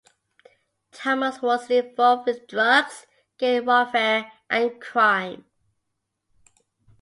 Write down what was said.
Thomas was involved with drugs, gang warfare and crime.